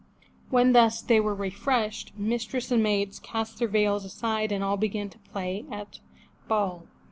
When thus they were refreshed, mistress and maids cast their veils aside and all began to play at ball.